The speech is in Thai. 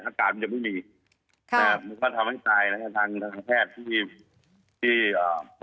อาการมันจะไม่มีแต่มันก็ทำให้ตายนะฮะทางทางแพทย์ที่ที่อ่า